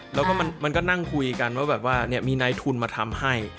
แล้วก็มันก็นั่งคุยกันว่าแบบว่ามีนายทุนมาทำให้